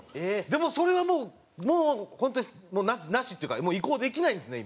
でもそれはもう本当になしっていうか移行できないんですね